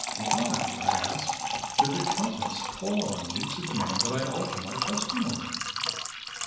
"Why," I asked, "did the countess call on me to demand that I alter my testimony?"